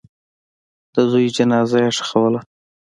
د زوی جنازه یې ښخوله.